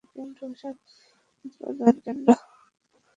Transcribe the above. এই জেলা রাজস্থানের একটি গুরুত্বপূর্ণ শিক্ষাকেন্দ্র ও সার উৎপাদন কেন্দ্র।